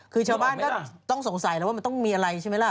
คือชาวบ้านก็ต้องสงสัยแล้วว่ามันต้องมีอะไรใช่ไหมล่ะ